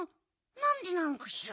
なんでなのかしら？